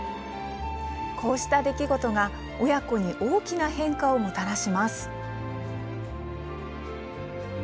こうした出来事が親子に大きな変化をもたらします。